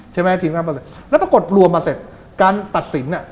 ใช่ไหมทีมงานมาเลยแล้วปรากฏรวมมาเสร็จการตัดสินอ่ะ